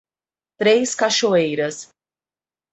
Três Cachoeiras